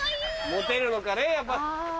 モテるのかねやっぱ。